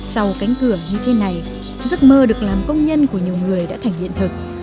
sau cánh cửa như thế này giấc mơ được làm công nhân của nhiều người đã thành hiện thực